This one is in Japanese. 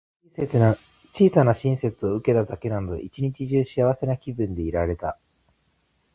小さな親切を受けただけで、一日中幸せな気分でいられた。